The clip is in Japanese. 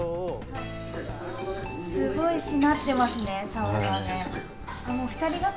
すごいしなっていますね、さおが。